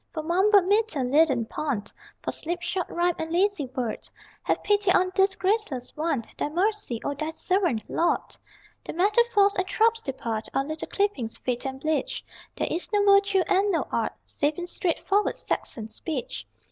For mumbled meter, leaden pun, For slipshod rhyme, and lazy word, Have pity on this graceless one Thy mercy on Thy servant, Lord! The metaphors and tropes depart, Our little clippings fade and bleach: There is no virtue and no art Save in straightforward Saxon speech.